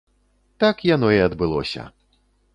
Так яно і адбылося.